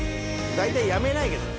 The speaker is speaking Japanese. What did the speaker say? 大体やめないけどね